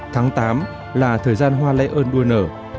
tháng tám là thời gian hoa lễ ơn đua nở